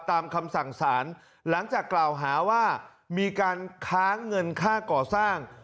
ตามคำสั่งสารหลังจากกล่าวหาว่ามีการค้างเงินค่าก่อสร้าง